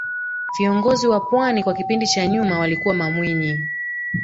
viongozi wa pwani kwa kipindi cha nyuma walikuwa mamwinyi